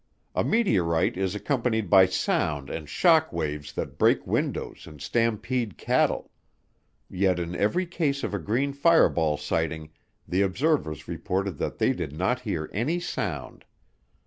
A meteorite is accompanied by sound and shock waves that break windows and stampede cattle. Yet in every case of a green fireball sighting the observers reported that they did not hear any sound.